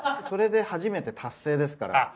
それで初めて達成ですから。